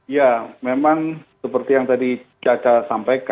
ya memang seperti yang tadi caca sampaikan